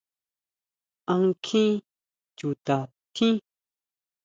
¿A nkjin chuta tjín?